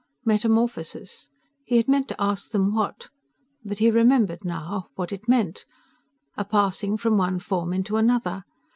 Metamorphosis ... he had meant to ask them what ... but he remembered now ... what it meant. A passing from one form into another....